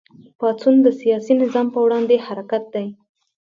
پاڅون د سیاسي نظام په وړاندې حرکت دی.